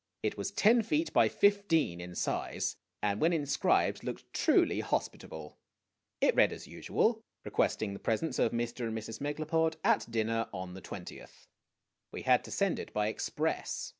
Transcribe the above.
It was ten feet by fifteen in size, and when in scribed looked truly hospitable. It read as usual requesting the presence of Mr. and Mrs. Megalopod at dinner on the 2Oth. We had to send it by express.